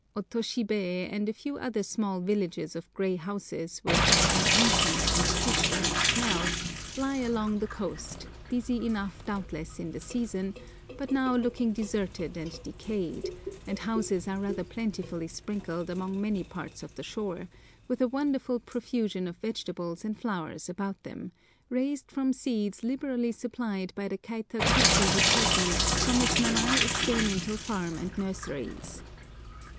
Otoshibé and a few other small villages of grey houses, with "an ancient and fish like smell," lie along the coast, busy enough doubtless in the season, but now looking deserted and decayed, and houses are rather plentifully sprinkled along many parts of the shore, with a wonderful profusion of vegetables and flowers about them, raised from seeds liberally supplied by the Kaitakushi Department from its Nanai experimental farm and nurseries.